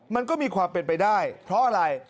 มันก็มีความเป็นไปได้เพราะอะไร